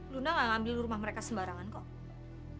luna gak ngambil rumah mereka sembarangan kok